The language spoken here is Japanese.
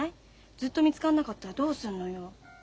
ずっと見つかんなかったらどうすんのよ。